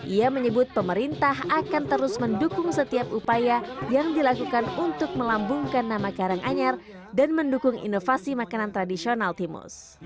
ia menyebut pemerintah akan terus mendukung setiap upaya yang dilakukan untuk melambungkan nama karanganyar dan mendukung inovasi makanan tradisional timus